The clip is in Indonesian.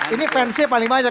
ini fansnya paling banyak